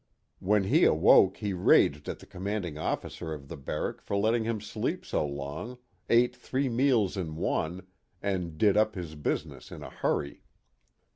When he awoke he raged at the commanding officer of the barrack for letting him sleep so long, ate three meals in one, and did up his business in a hurry.